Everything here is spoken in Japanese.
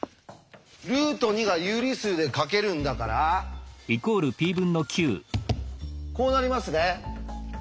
ルート２が有理数で書けるんだからこうなりますね。